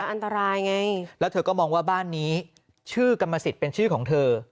อันตรายไงแล้วเธอก็มองว่าบ้านนี้ชื่อกรรมสิทธิ์เป็นชื่อของเธอ